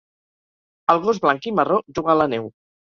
El gos blanc i marró juga a la neu